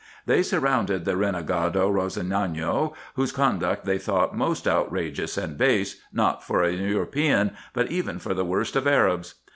They surrounded the renegado Rossignano, whose conduct they thought most outrageous and base, not for an European, but even for the worst of Arabs.